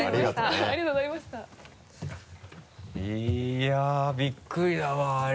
いやぁびっくりだわあれ